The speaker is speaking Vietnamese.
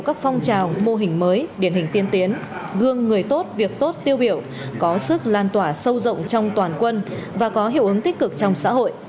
các phong trào mô hình mới điển hình tiên tiến gương người tốt việc tốt tiêu biểu có sức lan tỏa sâu rộng trong toàn quân và có hiệu ứng tích cực trong xã hội